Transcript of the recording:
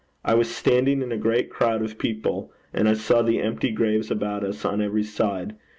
I was standing in a great crowd of people, and I saw the empty graves about us on every side.